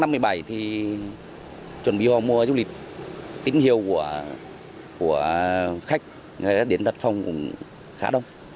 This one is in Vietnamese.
sáng năm mươi bảy thì chuẩn bị vào mùa du lịch tín hiệu của khách đến đật phong cũng khá đông